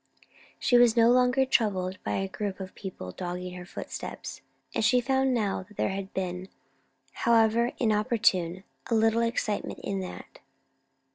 She was no longer troubled by a group of people dogging her footsteps; and she found now that there had been, however inopportune, a little excitement in that.